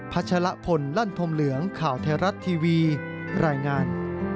ชะละพลลั่นพรมเหลืองข่าวไทยรัฐทีวีรายงาน